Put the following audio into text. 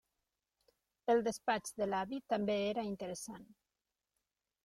El despatx de l'avi també era interessant.